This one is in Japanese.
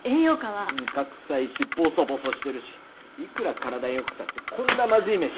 糠くさいしボソボソしてるしいくら体に良くたってこんなまずい飯。